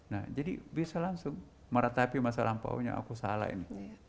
nah jadi bisa langsung meratapi masa lampaunya aku salah ini